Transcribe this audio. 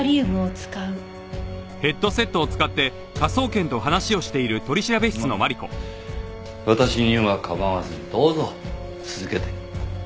ああ私には構わずどうぞ続けて。